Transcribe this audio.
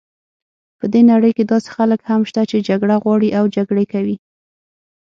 په دې نړۍ کې داسې خلک هم شته چې جګړه غواړي او جګړې کوي.